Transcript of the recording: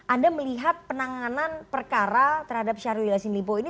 anda melihat penanganan perkara terhadap syahrul yilasin lipo ini